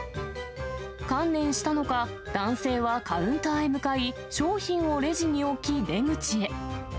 観念したのか、男性はカウンターへ向かい、商品をレジに置き、出口へ。